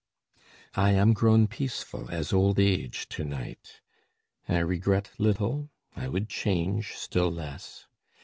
I am grown peaceful as old age to night. I regret little, I would change still less.